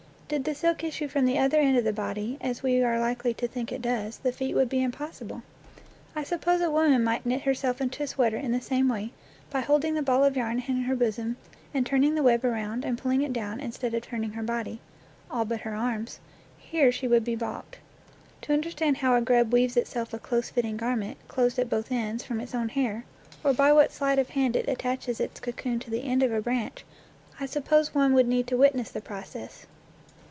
Did the silk issue from the other end of the body, as we are likely to think it does, the feat would be impossible. I suppose a woman might knit herself into her sweater in the same way by holding the ball of yarn in her bosom and turning the web around and pulling it down instead of turning her body all but her arms; here she would be balked. To understand how a grub weaves itself a close fitting garment, closed at both ends, from its own hair, or by what sleight 23 NATURE LORE of hand it attaches its cocoon to the end of a branch, I suppose one would need to witness the process.